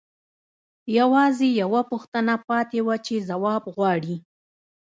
یوازې یوه پوښتنه پاتې وه چې ځواب غواړي